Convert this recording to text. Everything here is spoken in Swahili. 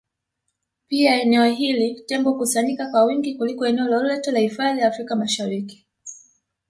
Pia eneo hili Tembo hukusanyika kwa wingi kuliko eneo lolote la hifadhi Afrika Mashariki